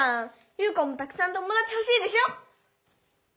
優花もたくさんともだちほしいでしょ？